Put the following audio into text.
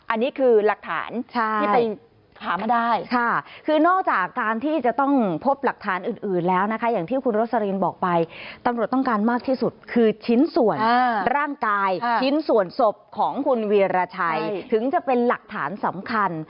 อันนี้คือหลักฐานที่ไปหามาได้ค่ะคือนอกจากการที่จะต้องพบหลักฐานอื่นแล้วนะคะอย่างที่คุณโรสลินบอกไปตำรวจต้องการมากที่สุดคือชิ้นส่วนร่างกายชิ้นส่วนศพของคุณวีรชัยถึงจะเป็นหลักฐานสำคัญ